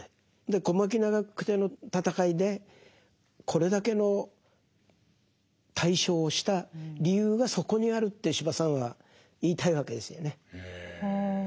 小牧・長久手の戦いでこれだけの大勝をした理由がそこにあるって司馬さんは言いたいわけですよね。